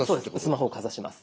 スマホをかざします。